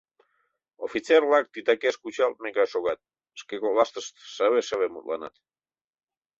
Офицер-влак титакеш кучалтме гай шогат, шке коклаштышт шыве-шыве мутланат.